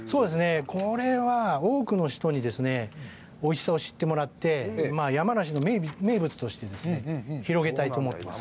これは、多くの人においしさを知ってもらって、山梨の名物として広げたいと思ってます。